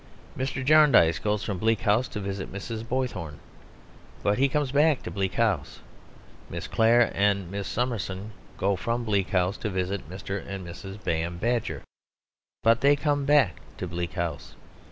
Mr. Jarndyce goes from Bleak House to visit Mr. Boythorn; but he comes back to Bleak House. Miss Clare and Miss Summerson go from Bleak House to visit Mr. and Mrs. Bayham Badger; but they come back to Bleak House.